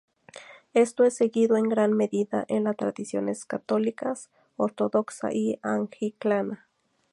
Esto es seguido en gran medida en la tradiciones católica, ortodoxa y anglicana.